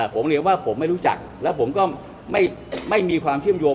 ผมเรียนว่าผมไม่รู้จักแล้วผมก็ไม่มีความเชื่อมโยง